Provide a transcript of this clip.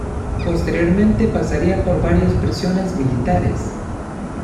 Posteriormente pasaría por varias prisiones militares.